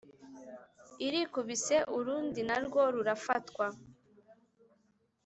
irikubise urundi na rwo rurafatwa.